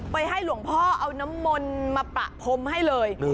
ให้หลวงพ่อเอาน้ำมนต์มาประพรมให้เลย